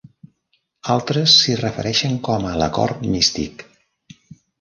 Altres s'hi refereixen com a l'"Acord místic".